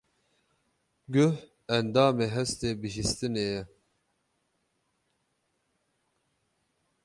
Guh endamê hestê bihîstinê ye.